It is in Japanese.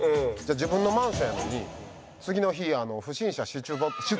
自分のマンションやのに次の日「不審者出没」。